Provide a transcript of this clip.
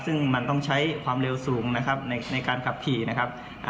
ซึ่งมันต้องใช้ความเร็วสูงนะครับในการขับขี่นะครับ